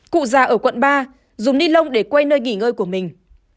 cụ già ở quận ba dùng ni lông để quay nơi nghỉ ngơi của mình